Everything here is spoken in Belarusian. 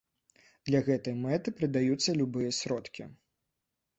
Для гэтай мэты прыдаюцца любыя сродкі.